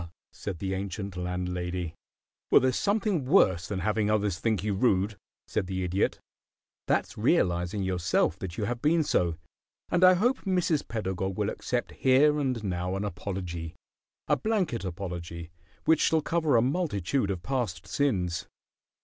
said the ancient landlady. "Well, there's something worse than having others think you rude," said the Idiot. "That's realizing yourself that you have been so, and I hope Mrs. Pedagog will accept here and now an apology a blanket apology which shall cover a multitude of past sins."